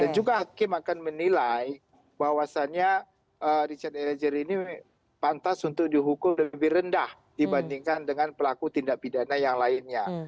dan juga hakim akan menilai bahwasannya richard eliezer ini pantas untuk dihukum lebih rendah dibandingkan dengan pelaku tindak pidana yang lainnya